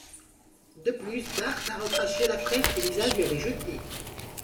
De plus, Bart a recraché la fraise que Lisa lui avait jetée.